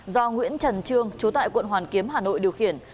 do nguyễn trần trương chú tại quận hoàn kiếm hà nội điều khiển